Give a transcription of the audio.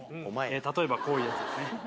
例えばこういうやつですね。